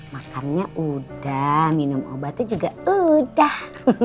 makannya udah minum obatnya juga udah